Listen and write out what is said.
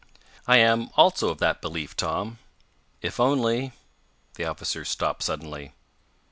"I am, also, of that belief, Tom. If only " The officer stopped suddenly.